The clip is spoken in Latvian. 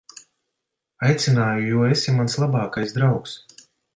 Aicināju, jo esi mans labākais draugs.